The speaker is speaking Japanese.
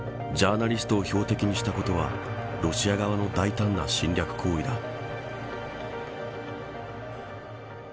ジャーナリストを襲撃したことはロシア側の大胆な侵略行為だ。